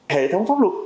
hệ thống pháp luật